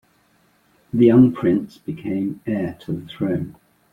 The young prince became heir to the throne.